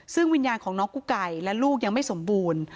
ซึ่งวิญญาณของน้องกุ๊กไก่และลูกยังไม่สมบูรณ์